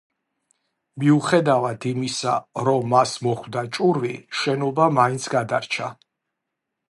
მიუხედავად იმისა, რომ მას მოხვდა ჭურვი, შენობა მაინც გადარჩა.